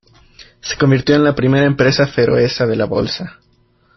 Se convirtió en la primera empresa feroesa de la bolsa.